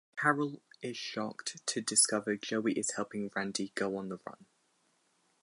Carol is shocked to discover Joey is helping Randy go on the run.